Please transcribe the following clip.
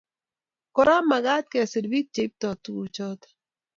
Kora makat keser bik cheibtoi tukuk choto